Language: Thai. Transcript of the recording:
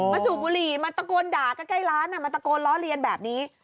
สูบบุหรี่มาตะโกนด่าใกล้ร้านมาตะโกนล้อเลียนแบบนี้